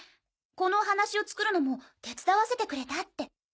このお話を作るのも手伝わせてくれたって。